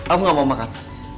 aku gak mau makan